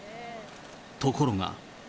ところが。